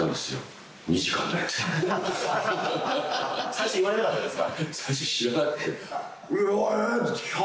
最初言われなかったんですか？